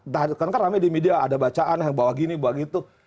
karena kan rame di media ada bacaan yang bahwa gini bahwa gitu